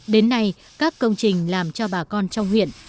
đến nay các công trình làm cho bà con trong huyện